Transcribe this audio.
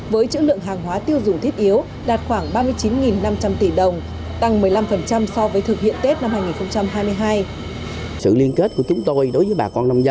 và tiêu dụng thiết yếu đạt khoảng ba mươi chín năm trăm linh tỷ đồng tăng một mươi năm so với thực hiện tết năm hai nghìn hai mươi hai